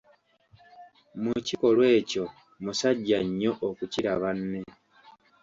Mu kikolwa ekyo musajja nnyo okukira banne!